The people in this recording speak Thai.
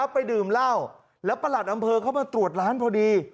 ไปดื่มเหล้าแล้วประหลัดอำเภอเข้ามาตรวจร้านพอดี